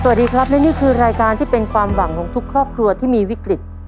สวัสดีครับและนี่คือรายการที่เป็นความหวังของทุกครอบครัวที่มีวิกฤต